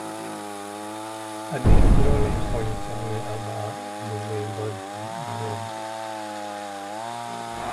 עדיף לא לאכול יותר מארבעה אגוזי ברזיל ביום.